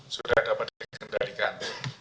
sudah dapat dikendalikan